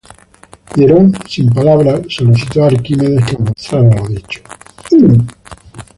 Hierón, sin palabras, solicitó a Arquímedes que demostrara lo dicho.